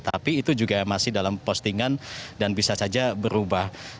tapi itu juga masih dalam postingan dan bisa saja berubah